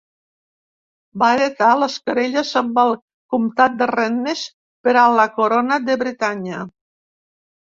Va heretar les querelles amb el comtat de Rennes per a la corona de Bretanya.